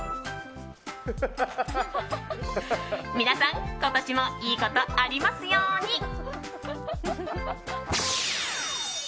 皆さん今年もいいことありますように！